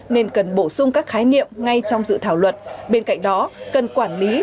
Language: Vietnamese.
nên cần bổ sung các khái niệm ngay trong dự thảo luật bên cạnh đó cần quản lý